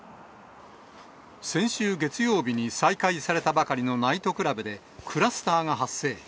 先週月曜日に再開されたばかりのナイトクラブでクラスターが発生。